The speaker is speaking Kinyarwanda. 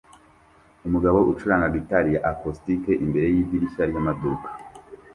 Umugabo ucuranga gitari acoustic imbere yidirishya ryamaduka